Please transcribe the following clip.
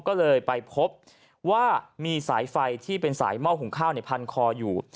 ก็เลยไปพบว่ามีสายไฟที่เป็นสายหม้อหุงข้าวพันคออยู่